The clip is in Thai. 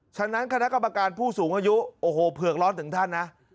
ฉะนั้นคณะกรรมการผู้สูงอายุโอ้โหเผือกร้อนถึงท่านนะ